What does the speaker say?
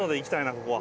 ここは。